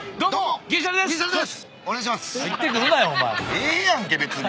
「ええやんけ別に。